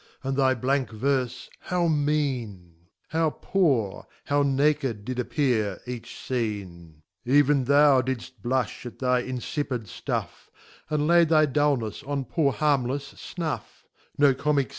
and thy blank Verfe how mean^ How poor, how naked did appear each. Scene ! Eyeo t5l Even thou didft blufh at thy infipid fluff, And laid thy dulnefs on poor harmless Snuff No Coinick.